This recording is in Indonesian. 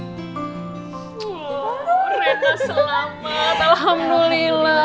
awww rina selamat alhamdulillah